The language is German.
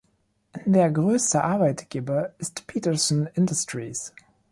Der größte Arbeitgeber ist Peterson Industries.